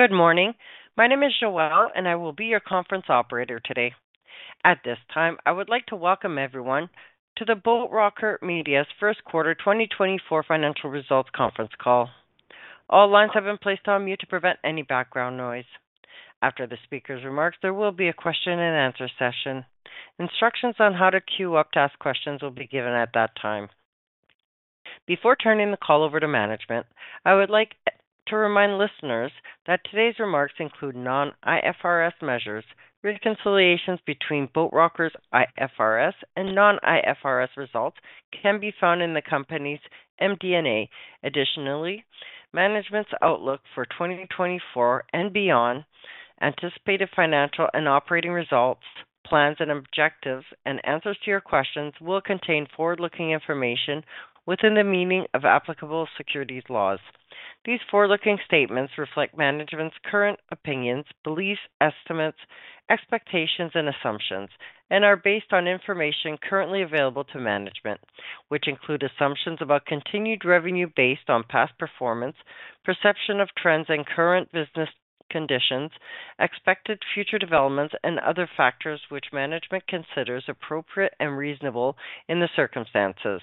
Good morning. My name is Joelle, and I will be your conference operator today. At this time, I would like to welcome everyone to the Boat Rocker Media's first quarter 2024 financial results conference call. All lines have been placed on mute to prevent any background noise. After the speaker's remarks, there will be a question and answer session. Instructions on how to queue up to ask questions will be given at that time. Before turning the call over to management, I would like to remind listeners that today's remarks include non-IFRS measures. Reconciliations between Boat Rocker's IFRS and non-IFRS results can be found in the company's MD&A. Additionally, management's outlook for 2024 and beyond, anticipated financial and operating results, plans and objectives, and answers to your questions will contain forward-looking information within the meaning of applicable securities laws. These forward-looking statements reflect management's current opinions, beliefs, estimates, expectations, and assumptions, and are based on information currently available to management, which include assumptions about continued revenue based on past performance, perception of trends and current business conditions, expected future developments, and other factors which management considers appropriate and reasonable in the circumstances.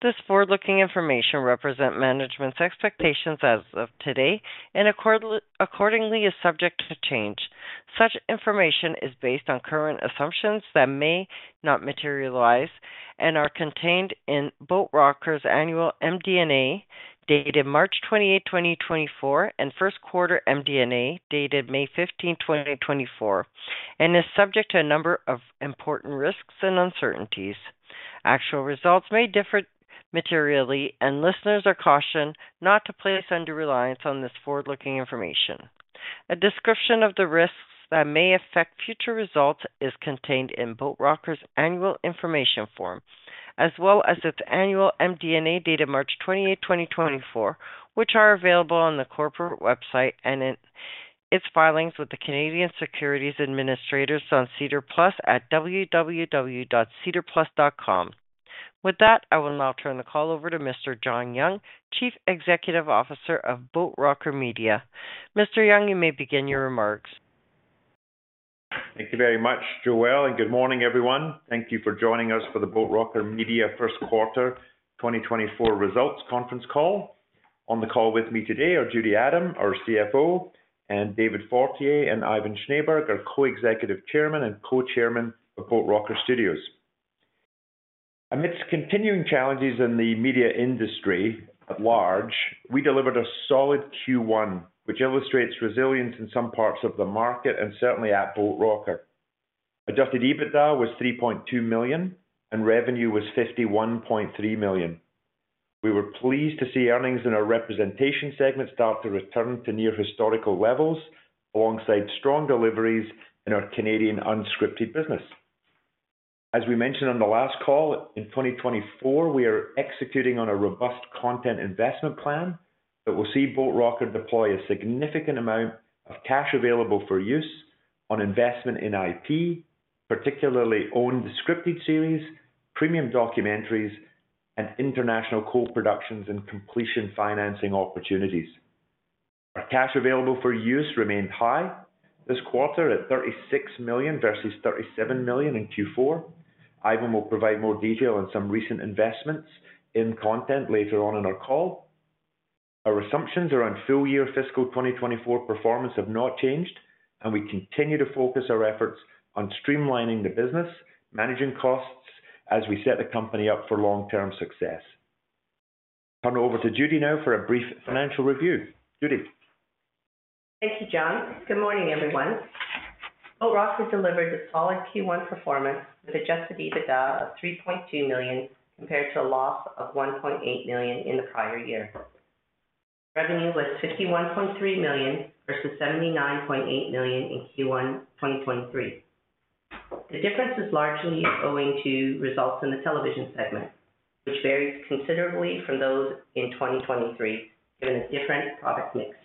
This forward-looking information represent management's expectations as of today and accordingly is subject to change. Such information is based on current assumptions that may not materialize and are contained in Boat Rocker's annual MD&A, dated March 28, 2024, and first quarter MD&A, dated May 15, 2024, and is subject to a number of important risks and uncertainties. Actual results may differ materially, and listeners are cautioned not to place under reliance on this forward-looking information. A description of the risks that may affect future results is contained in Boat Rocker's annual information form, as well as its annual MD&A, dated March 28, 2024, which are available on the corporate website and in its filings with the Canadian Securities Administrators on SEDAR+ at www.sedarplus.com. With that, I will now turn the call over to Mr. John Young, Chief Executive Officer of Boat Rocker Media. Mr. Young, you may begin your remarks. Thank you very much, Joelle, and good morning, everyone. Thank you for joining us for the Boat Rocker Media first quarter 2024 results conference call. On the call with me today are Judy Adam, our CFO, and David Fortier and Ivan Schneeberg, our Co-Executive Chairman and Co-Chairman of Boat Rocker Studios. Amidst continuing challenges in the media industry at large, we delivered a solid Q1, which illustrates resilience in some parts of the market and certainly at Boat Rocker. Adjusted EBITDA was 3.2 million, and revenue was 51.3 million. We were pleased to see earnings in our representation segment start to return to near historical levels, alongside strong deliveries in our Canadian unscripted business. As we mentioned on the last call, in 2024, we are executing on a robust content investment plan that will see Boat Rocker deploy a significant amount of cash available for use on investment in IP, particularly owned scripted series, premium documentaries, and international co-productions and completion financing opportunities. Our cash available for use remained high this quarter at 36 million versus 37 million in Q4. Ivan will provide more detail on some recent investments in content later on in our call. Our assumptions around full-year fiscal 2024 performance have not changed, and we continue to focus our efforts on streamlining the business, managing costs as we set the company up for long-term success. Turn it over to Judy now for a brief financial review. Judy? Thank you, John. Good morning, everyone. Boat Rocker delivered a solid Q1 performance with Adjusted EBITDA of 3.2 million, compared to a loss of 1.8 million in the prior year. Revenue was 51.3 million, versus 79.8 million in Q1 2023. The difference is largely owing to results in the television segment, which varies considerably from those in 2023, given a different product mix.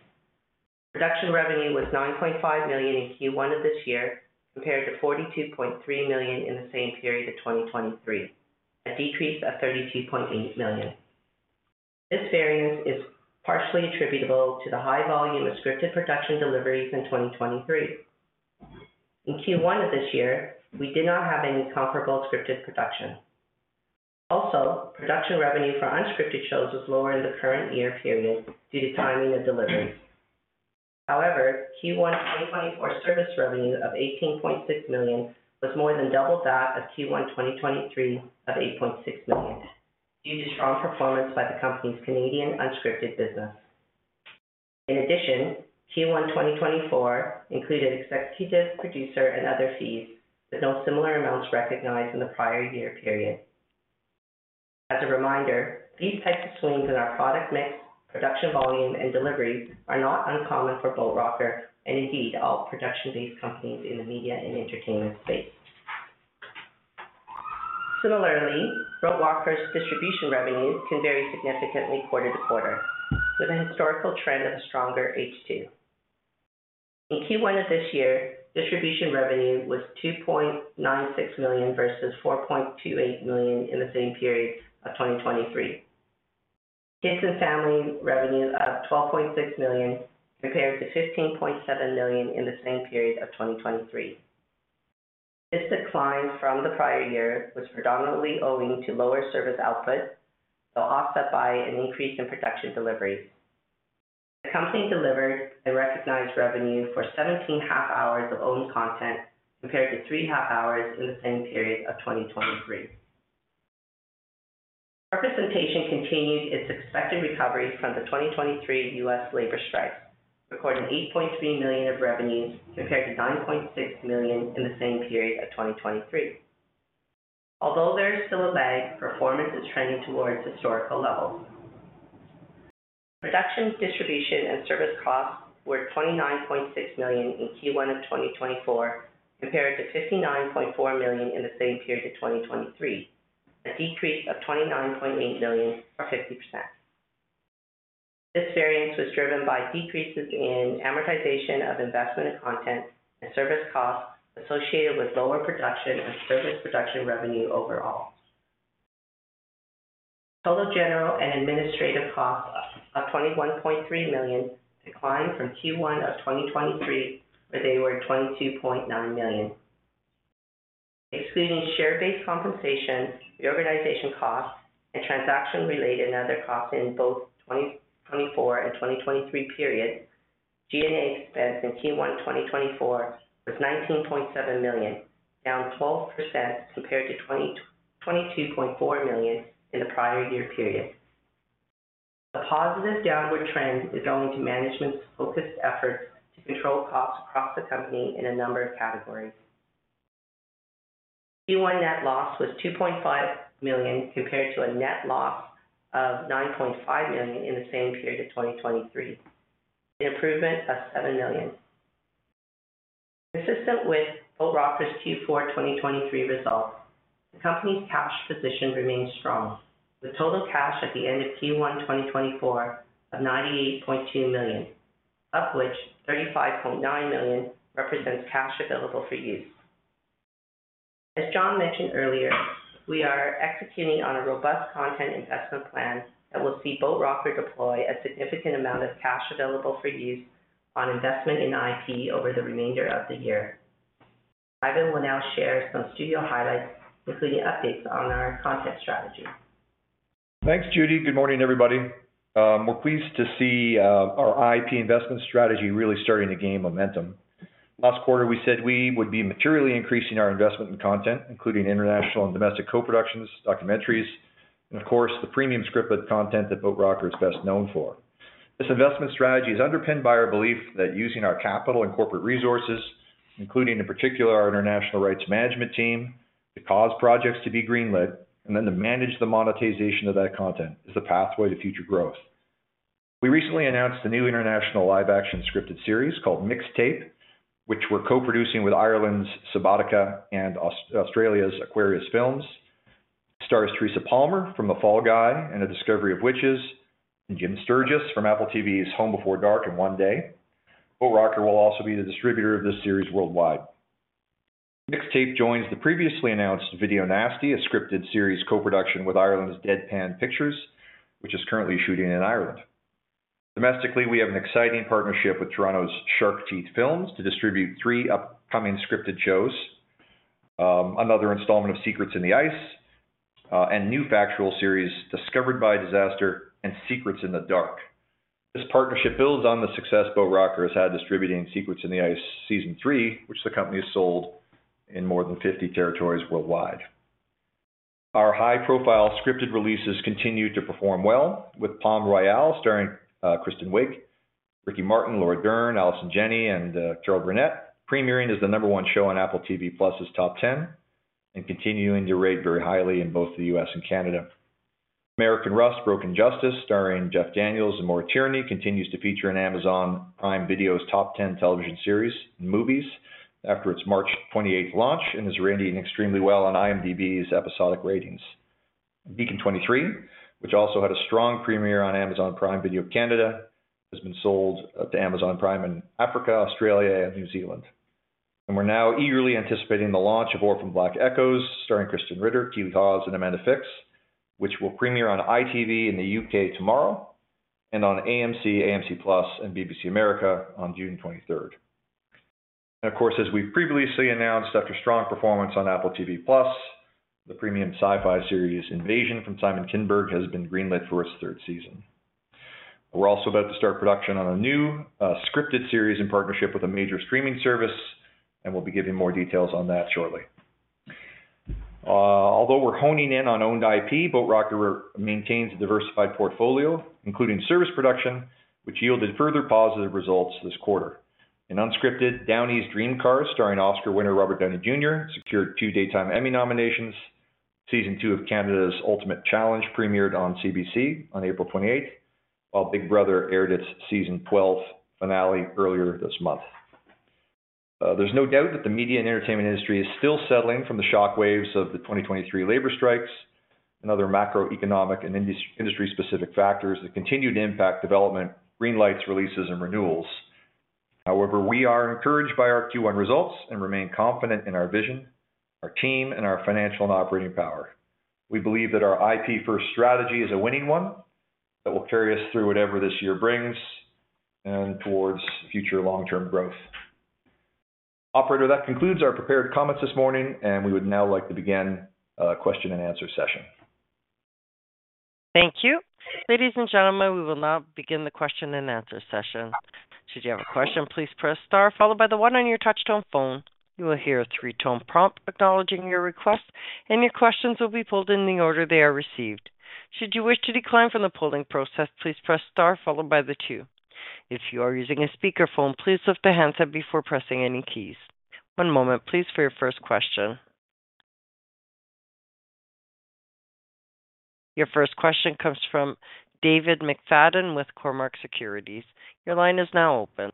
Production revenue was 9.5 million in Q1 of this year, compared to 42.3 million in the same period of 2023, a decrease of 32.8 million. This variance is partially attributable to the high volume of scripted production deliveries in 2023. In Q1 of this year, we did not have any comparable scripted production. Also, production revenue for unscripted shows was lower in the current year period due to timing of deliveries. However, Q1 2024 service revenue of 18.6 million was more than double that of Q1 2023 of 8.6 million, due to strong performance by the company's Canadian unscripted business. In addition, Q1 2024 included executive, producer, and other fees, with no similar amounts recognized in the prior year period. As a reminder, these types of swings in our product mix, production volume, and deliveries are not uncommon for Boat Rocker and indeed all production-based companies in the media and entertainment space. Similarly, Boat Rocker's distribution revenue can vary significantly quarter to quarter, with a historical trend of a stronger H2. In Q1 of this year, distribution revenue was 2.96 million versus 4.28 million in the same period of 2023. Kids and Family revenues of 12.6 million, compared to 15.7 million in the same period of 2023. This decline from the prior year was predominantly owing to lower service output, though offset by an increase in production deliveries. The company delivered and recognized revenue for 17 half-hours of owned content, compared to 3 half-hours in the same period of 2023. Representation continued its expected recovery from the 2023 U.S. labor strike, recording 8.3 million of revenues, compared to 9.6 million in the same period of 2023. Although there is still a lag, performance is trending towards historical levels. Production, distribution, and service costs were 29.6 million in Q1 of 2024, compared to 59.4 million in the same period of 2023, a decrease of 29.8 million, or 50%. This variance was driven by decreases in amortization of investment in content and service costs associated with lower production and service production revenue overall. Total general and administrative costs of 21.3 million declined from Q1 of 2023, where they were 22.9 million. Excluding share-based compensation, reorganization costs, and transaction-related and other costs in both 2024 and 2023 periods, G&A expense in Q1 2024 was 19.7 million, down 12% compared to 22.4 million in the prior year period. The positive downward trend is owing to management's focused efforts to control costs across the company in a number of categories. Q1 net loss was 2.5 million, compared to a net loss of 9.5 million in the same period of 2023, an improvement of 7 million. Consistent with Boat Rocker's Q4 2023 results, the company's cash position remains strong, with total cash at the end of Q1 2024 of 98.2 million, of which 35.9 million represents cash available for use. As John mentioned earlier, we are executing on a robust content investment plan that will see Boat Rocker deploy a significant amount of cash available for use on investment in IP over the remainder of the year. Ivan will now share some studio highlights, including updates on our content strategy. Thanks, Judy. Good morning, everybody. We're pleased to see our IP investment strategy really starting to gain momentum. Last quarter, we said we would be materially increasing our investment in content, including international and domestic co-productions, documentaries, and of course, the premium scripted content that Boat Rocker is best known for. This investment strategy is underpinned by our belief that using our capital and corporate resources, including, in particular, our international rights management team, to cause projects to be greenlit and then to manage the monetization of that content, is the pathway to future growth. We recently announced a new international live-action scripted series called Mixtape, which we're co-producing with Ireland's Subotica and Australia's Aquarius Films. It stars Teresa Palmer from The Fall Guy and A Discovery of Witches, and Jim Sturgess from Apple TV+'s Home Before Dark and One Day. Boat Rocker will also be the distributor of this series worldwide. Mixtape joins the previously announced Video Nasty, a scripted series co-production with Ireland's Deadpan Pictures, which is currently shooting in Ireland. Domestically, we have an exciting partnership with Toronto's Shark Teeth Films to distribute three upcoming scripted shows. Another installment of Secrets in the Ice, and new factual series, Discovered by Disaster and Secrets in the Dark. This partnership builds on the success Boat Rocker has had distributing Secrets in the Ice Season 3, which the company has sold in more than 50 territories worldwide. Our high-profile scripted releases continued to perform well with Palm Royale, starring Kristen Wiig, Ricky Martin, Laura Dern, Allison Janney, and Gerald McRaney, premiering as the number 1 show on Apple TV+'s top 10, and continuing to rate very highly in both the U.S. and Canada. American Rust: Broken Justice, starring Jeff Daniels and Maura Tierney, continues to feature in Amazon Prime Video's top 10 television series and movies after its March 28th launch, and is rating extremely well on IMDb's episodic ratings. Beacon 23, which also had a strong premiere on Amazon Prime Video Canada, has been sold to Amazon Prime in Africa, Australia, and New Zealand. We're now eagerly anticipating the launch of Orphan Black: Echoes, starring Krysten Ritter, Keeley Hawes, and Amanda Fix, which will premiere on ITV in the UK tomorrow and on AMC, AMC+, and BBC America on June 23rd. Of course, as we've previously announced, after strong performance on Apple TV+, the premium Sci-Fi series, Invasion from Simon Kinberg, has been greenlit for its third season. We're also about to start production on a new scripted series in partnership with a major streaming service, and we'll be giving more details on that shortly. Although we're honing in on owned IP, Boat Rocker maintains a diversified portfolio, including service production, which yielded further positive results this quarter. In unscripted, Downey's Dream Cars, starring Oscar winner Robert Downey Jr., secured 2 Daytime Emmy nominations. Season 2 of Canada's Ultimate Challenge premiered on CBC on April 28th, while Big Brother aired its Season 12 finale earlier this month. There's no doubt that the media and entertainment industry is still settling from the shockwaves of the 2023 labor strikes and other macroeconomic and industry-specific factors that continued to impact development, greenlights, releases, and renewals. However, we are encouraged by our Q1 results and remain confident in our vision, our team, and our financial and operating power. We believe that our IP first strategy is a winning one that will carry us through whatever this year brings and towards future long-term growth. Operator, that concludes our prepared comments this morning, and we would now like to begin question and answer session. Thank you. Ladies and gentlemen, we will now begin the question and answer session. Should you have a question, please press star followed by the one on your touchtone phone. You will hear a three-tone prompt acknowledging your request, and your questions will be pulled in the order they are received. Should you wish to decline from the polling process, please press star followed by the two. If you are using a speakerphone, please lift the handset before pressing any keys. One moment, please, for your first question. Your first question comes from David McFadgen with Cormark Securities. Your line is now open.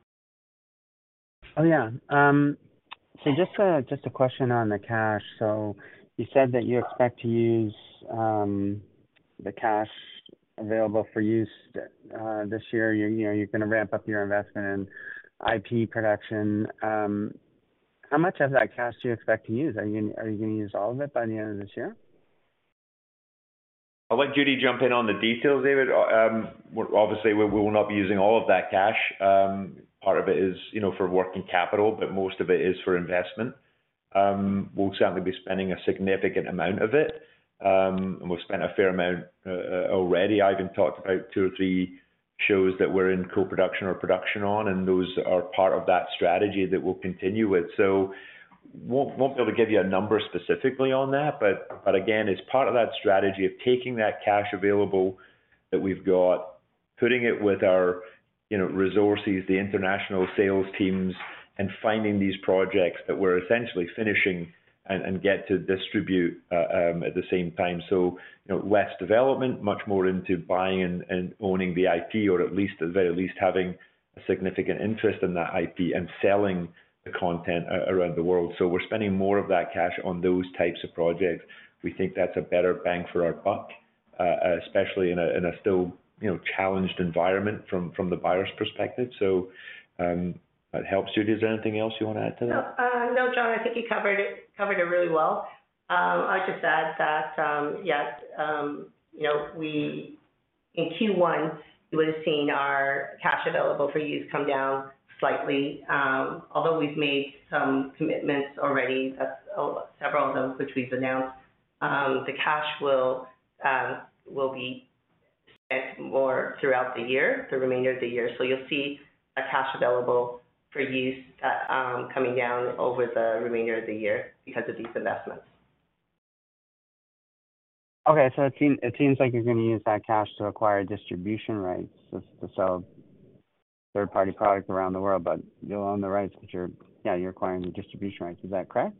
Oh, yeah. So just a question on the cash. So you said that you expect to use the cash available for use this year. You know, you're gonna ramp up your investment in IP production. How much of that cash do you expect to use? Are you gonna use all of it by the end of this year? I'll let Judy jump in on the details, David. Well, obviously, we, we will not be using all of that cash. Part of it is, you know, for working capital, but most of it is for investment. We'll certainly be spending a significant amount of it. And we've spent a fair amount already. Ivan talked about two or three shows that we're in co-production or production on, and those are part of that strategy that we'll continue with. So won't, won't be able to give you a number specifically on that, but, but again, it's part of that strategy of taking that cash available that we've got, putting it with our, you know, resources, the international sales teams, and finding these projects that we're essentially finishing and, and get to distribute at the same time. So, you know, less development, much more into buying and, and owning the IP, or at least, at the very least, having a significant interest in that IP and selling the content around the world. So we're spending more of that cash on those types of projects. We think that's a better bang for our buck, especially in a, in a still, you know, challenged environment from, from the buyer's perspective. So, if that helps. Judy, is there anything else you wanna add to that? No. No, John, I think you covered it, covered it really well. I'd just add that, yes, you know, we, in Q1, you would have seen our cash available for use come down slightly. Although we've made some commitments already, several of them, which we've announced, the cash will be spent more throughout the year, the remainder of the year. So you'll see a cash available for use coming down over the remainder of the year because of these investments. Okay. So it seems like you're gonna use that cash to acquire distribution rights to sell third-party products around the world, but you own the rights, but you're, yeah, you're acquiring the distribution rights, is that correct?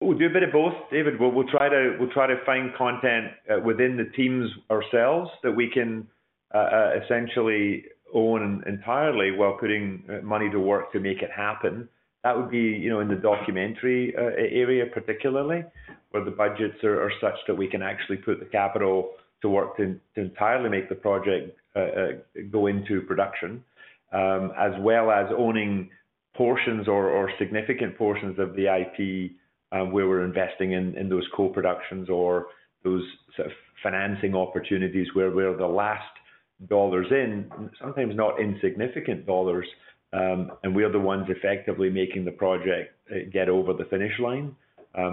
We'll do a bit of both, David. We'll try to find content within the teams ourselves that we can essentially own entirely while putting money to work to make it happen. That would be, you know, in the documentary area particularly, where the budgets are such that we can actually put the capital to work to entirely make the project go into production. As well as owning portions or significant portions of the IP, where we're investing in those co-productions or those sort of financing opportunities where we're the last dollars in, sometimes not insignificant dollars, and we are the ones effectively making the project get over the finish line,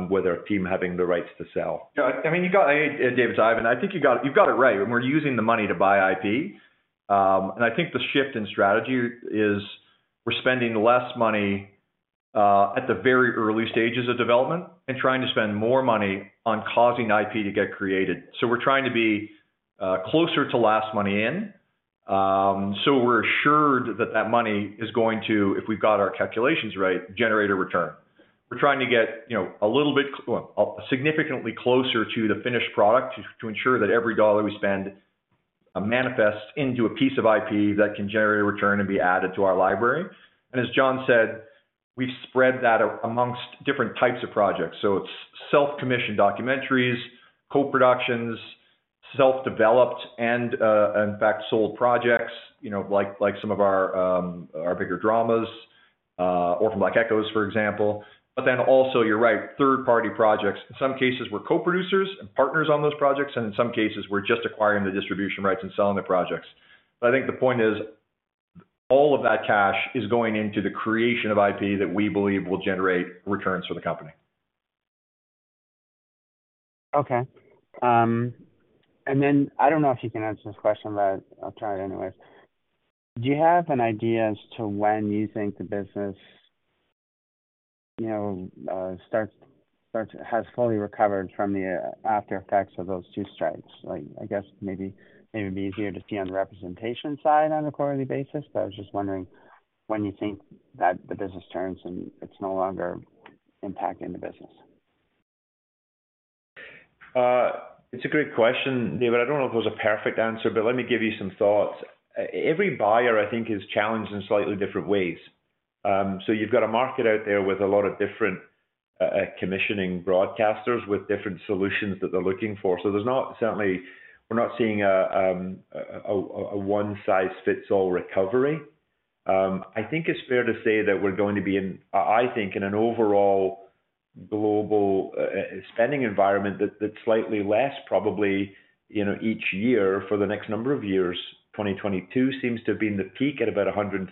with our team having the rights to sell. Yeah, I mean, Hey, David, it's Ivan. I think you got it, you've got it right, and we're using the money to buy IP. And I think the shift in strategy is, we're spending less money at the very early stages of development and trying to spend more money on causing IP to get created. So we're trying to be closer to last money in, so we're assured that that money is going to, if we've got our calculations right, generate a return. We're trying to get, you know, a little bit significantly closer to the finished product to ensure that every dollar we spend manifests into a piece of IP that can generate a return and be added to our library. As John said, we've spread that among different types of projects, so it's self-commissioned documentaries, co-productions, self-developed, and and back sold projects, you know, like, like some of our, our bigger dramas, Orphan Black: Echoes, for example. But then also, you're right, third-party projects. In some cases, we're co-producers and partners on those projects, and in some cases, we're just acquiring the distribution rights and selling the projects. But I think the point is, all of that cash is going into the creation of IP that we believe will generate returns for the company. Okay. And then I don't know if you can answer this question, but I'll try it anyways. Do you have an idea as to when you think the business, you know, starts has fully recovered from the aftereffects of those two strikes? Like, I guess maybe it'd be easier to see on the representation side on a quarterly basis, but I was just wondering when you think that the business turns, and it's no longer impacting the business. It's a great question, David. I don't know if there's a perfect answer, but let me give you some thoughts. Every buyer, I think, is challenged in slightly different ways. So you've got a market out there with a lot of different commissioning broadcasters with different solutions that they're looking for. So there's not certainly... We're not seeing a one-size-fits-all recovery. I think it's fair to say that we're going to be in, I think, in an overall global spending environment that's slightly less probably, you know, each year for the next number of years. 2022 seems to have been the peak at about $137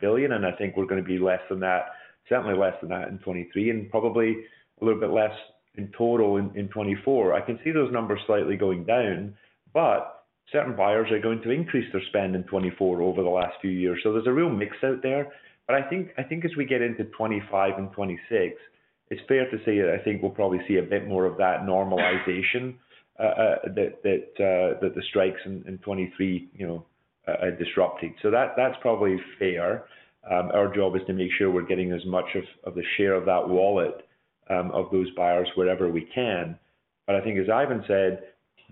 billion, and I think we're gonna be less than that, certainly less than that in 2023, and probably a little bit less in total in 2024. I can see those numbers slightly going down, but certain buyers are going to increase their spend in 2024 over the last few years. So there's a real mix out there. But I think as we get into 2025 and 2026, it's fair to say that I think we'll probably see a bit more of that normalization, that the strikes in 2023, you know, disrupted. So that, that's probably fair. Our job is to make sure we're getting as much of the share of that wallet, of those buyers wherever we can. But I think as Ivan said,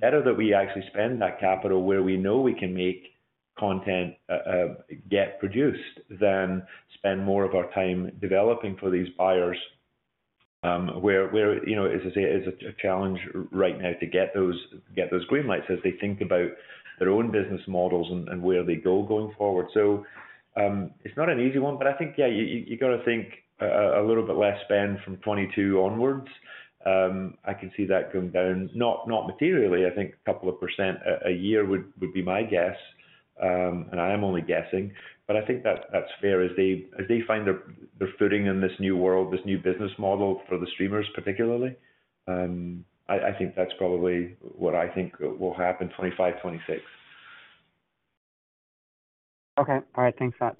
better that we actually spend that capital where we know we can make content, get produced, than spend more of our time developing for these buyers, where you know, as I say, it's a challenge right now to get those green lights as they think about their own business models and where they go going forward. So, it's not an easy one, but I think, yeah, you gotta think, a little bit less spend from 2022 onwards. I can see that going down, not materially, I think a couple of percent a year would be my guess. And I am only guessing, but I think that's fair as they find their footing in this new world, this new business model for the streamers, particularly. I think that's probably what I think will happen 2025, 2026. Okay. All right. Thanks for that.